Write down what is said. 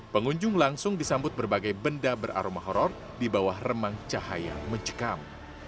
pengunjung langsung disambut berbagai benda beraroma horror di bawah remang cahaya mencekam